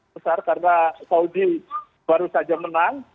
besar karena saudi baru saja menang